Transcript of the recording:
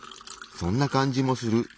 そんな感じもする。